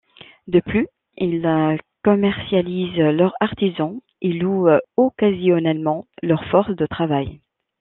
De plus, ils commercialisent leur artisanat et louent occasionnellement leur force de travail.